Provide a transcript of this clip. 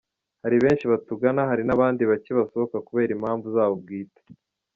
Hari benshi batugana, hari n’abandi bake basohoka kubera impanvu zabo bwite.